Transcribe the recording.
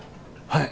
はい。